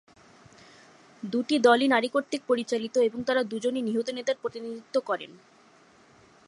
দুটি দলই নারী কর্তৃক পরিচালিত এবং তারা দুজনই নিহত নেতার প্রতিনিধিত্ব করেন।